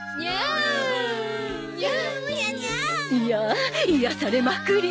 いや癒やされまくり。